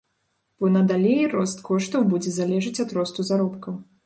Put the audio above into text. Бо надалей рост коштаў будзе залежаць ад росту заробкаў.